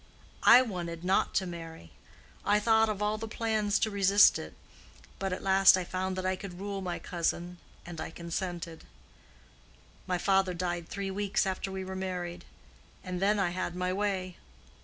I wanted not to marry. I thought of all plans to resist it, but at last I found that I could rule my cousin, and I consented. My father died three weeks after we were married, and then I had my way!"